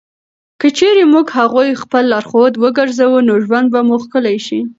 که چېرې موږ هغوی خپل لارښود وګرځوو، نو ژوند به مو ښکلی شي.